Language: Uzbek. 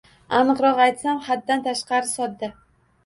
Aniqroq aytsam, haddan tashqari sodda